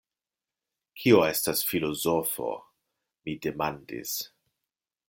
Kio estas filozofo? mi demandis.